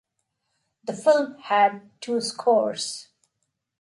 The film had two scores.